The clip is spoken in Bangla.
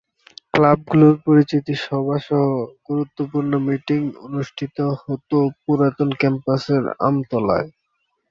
ক্লাবগুলোর পরিচিতি সভা সহ গুরুত্বপূর্ণ মিটিং অনুষ্ঠিত হত পুরাতন ক্যাম্পাসের আমতলায়।